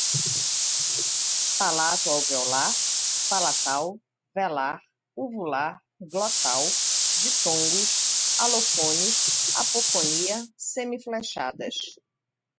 Palato-alveolar, palatal, velar, uvular, glotal, ditongos, alofones, apofonia, semifechadas